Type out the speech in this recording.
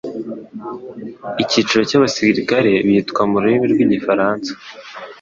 Icyiciro cy'abasirikare bitwa mu rurimi rw'igifaransa